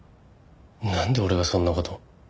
なんで俺がそんな事を？